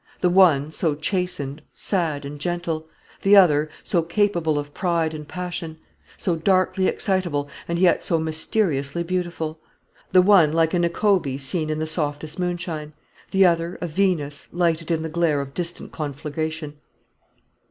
The one, so chastened, sad, and gentle; the other, so capable of pride and passion; so darkly excitable, and yet so mysteriously beautiful. The one, like a Niobe seen in the softest moonshine; the other, a Venus, lighted in the glare of distant conflagration.